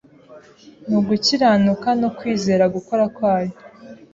ni ugukiranuka no kwizera gukora kwayo